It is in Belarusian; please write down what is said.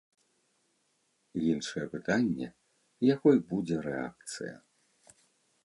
Іншае пытанне, якой будзе рэакцыя.